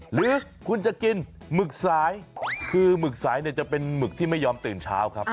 หรือคุณจะกินหมึกสายคือหมึกสายเนี่ยจะเป็นหมึกที่ไม่ยอมตื่นเช้าครับ